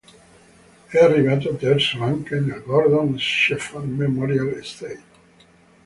È arrivato terzo anche nel Gordon Shephard Memorial Essay.